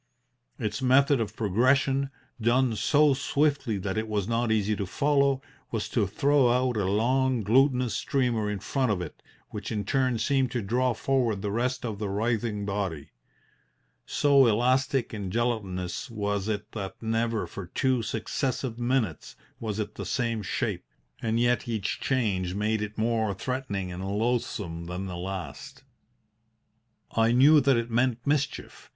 Its method of progression done so swiftly that it was not easy to follow was to throw out a long, glutinous streamer in front of it, which in turn seemed to draw forward the rest of the writhing body. So elastic and gelatinous was it that never for two successive minutes was it the same shape, and yet each change made it more threatening and loathsome than the last. "I knew that it meant mischief.